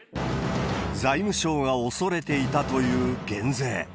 財務省が恐れていたという減税。